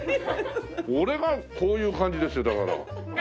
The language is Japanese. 俺がこういう感じですよだから。